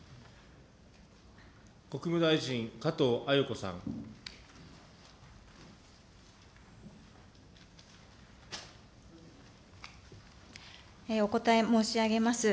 国務大臣、お答え申し上げます。